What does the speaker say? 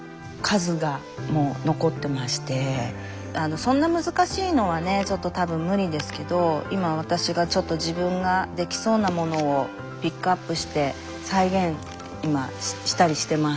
そんな難しいのはねちょっと多分無理ですけど今私がちょっと自分ができそうなものをピックアップして再現今したりしてます。